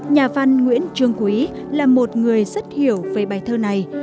nhà văn nguyễn trương quý là một người rất hiểu về bài thơ này